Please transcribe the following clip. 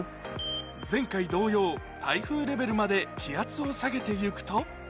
前回同様、台風レベルまで気圧を下げていくと。